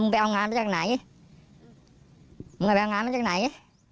ไปเอางานมาจากไหนมึงไปเอางานมาจากไหน